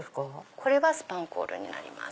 これはスパンコールになります。